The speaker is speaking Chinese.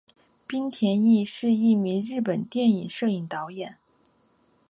滨田毅是一名日本电影摄影导演。